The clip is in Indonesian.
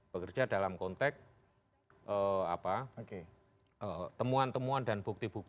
bekerja dalam konteks temuan temuan dan bukti bukti